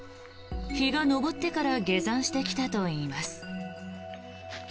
日が昇ってから下山してきたといいます。